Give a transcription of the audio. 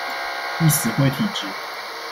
易死會體質